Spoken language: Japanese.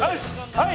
はい！